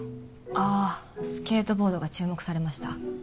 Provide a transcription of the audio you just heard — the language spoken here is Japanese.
ああスケートボードが注目されました